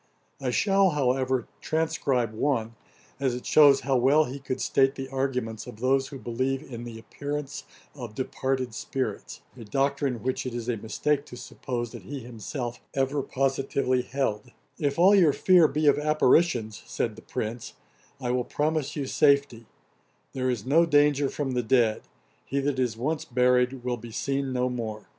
I shall, however, transcribe one, as it shews how well he could state the arguments of those who believe in the appearance of departed spirits; a doctrine which it is a mistake to suppose that he himself ever positively held: 'If all your fear be of apparitions, (said the Prince,) I will promise you safety: there is no danger from the dead; he that is once buried will be seen no more.